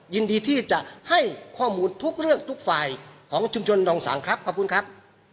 ยินดีที่จะให้ข้อมูลทุกเรื่องทุกฝ่ายของชุมชนดองสังครับขอบคุณครับ